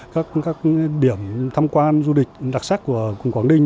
các điểm tham quan du lịch đặc sắc của quảng ninh